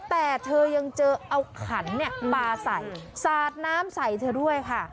แต่เธอยังเจอเอาขันมาใส่สาดน้ำใส่เธอด้วยค่ะ